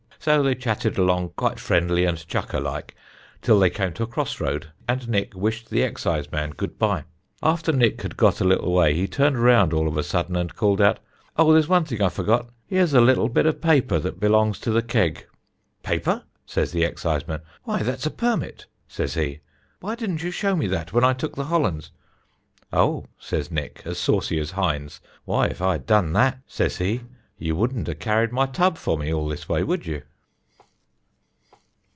So they chatted along quite friendly and chucker like till they came to a cross road, and Nick wished the exciseman good bye. After Nick had got a little way, he turned round all of a sudden and called out: 'Oh, there's one thing I forgot; here's a little bit o' paper that belongs to the keg.' 'Paper,' says the exciseman, 'why, that's a permit,' says he; 'why didn't you show me that when I took the hollands?' 'Oh,' says Nick, as saucy as Hinds, 'why, if I had done that,' says he, 'you wouldn't a carried my tub for me all this way, would you?'"